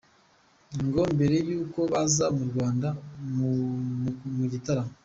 Ngo mbere y’uko baza mu Rwanda mu gitaramo